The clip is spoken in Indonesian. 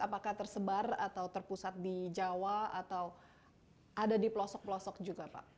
apakah tersebar atau terpusat di jawa atau ada di pelosok pelosok juga pak